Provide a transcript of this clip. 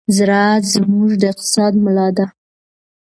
زراعت زموږ د اقتصاد ملا ده.